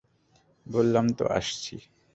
বললাম তো আসছি।